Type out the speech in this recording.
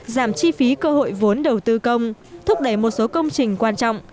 giảm chi phí cơ hội vốn đầu tư công thúc đẩy một số công trình quan trọng